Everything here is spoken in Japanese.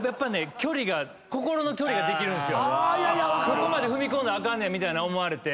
ここまで踏み込んだらあかんねんみたいに思われて。